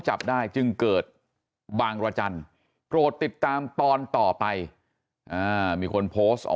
จับได้จึงเกิดบางรจันทร์โปรดติดตามตอนต่อไปมีคนโพสต์ออก